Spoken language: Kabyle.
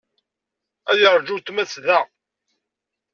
Ad yeṛju weltma-s da.